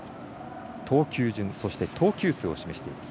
投球順、投球数を示しています。